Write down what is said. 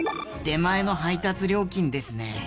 出前の配達料金ですね。